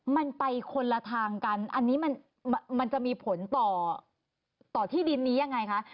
มันไปคนละทางกันอันนี้มันจะมีผลต่อต่อที่ดินนี้ยังไงคะ